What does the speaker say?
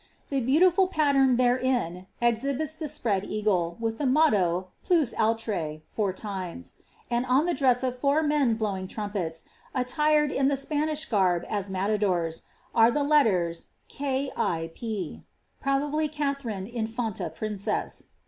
The beautiful pattern therein exhibits the spread eagle, with the motto, Plus Oulire^^ four times; and on the dress of four men blowing rampets, attired in the Spanish garb as matadors, are the letters K. 1. P. probably Katharine Infanta Princess.)